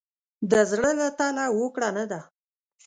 د زړه له تله هوکړه نه ده.